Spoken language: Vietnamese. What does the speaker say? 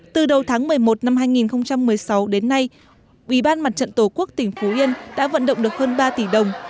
từ đầu tháng một mươi một năm hai nghìn một mươi sáu đến nay ủy ban mặt trận tổ quốc tỉnh phú yên đã vận động được hơn ba tỷ đồng